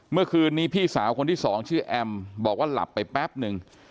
เมื่อคืนนี้พี่สาวคนที่สองชื่อแอมบอกว่าหลับไปแป๊บนึง